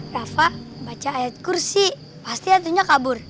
rafa baca ayat kursi pasti atunya kabur